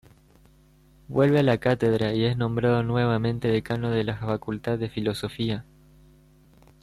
Vuelve a la cátedra y es nombrado nuevamente Decano de la Facultad de Filosofía.